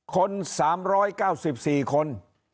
คน๓๙๔คน